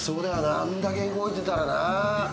あんだけ動いてたらな。